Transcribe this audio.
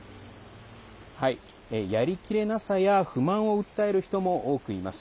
やりきれなさや不満を訴える人も多くいます。